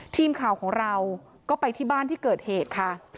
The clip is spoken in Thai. ทีมข่าวของเราก็ไปที่บ้านที่เกิดเหตุค่ะ